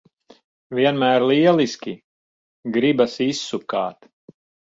Vienmēr lieliski! Gribas izsukāt.